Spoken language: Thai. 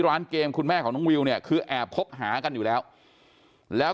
ร้านเกมคุณแม่ของน้องวิวเนี่ยคือแอบคบหากันอยู่แล้วแล้ว